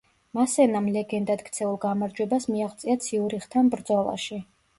მასენამ ლეგენდად ქცეულ გამარჯვებას მიაღწია ციურიხთან ბრძოლაში.